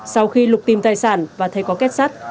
sau khi lục tìm tài sản và thấy có kết sắt